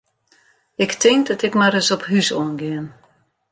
Ik tink dat ik mar ris op hús oan gean.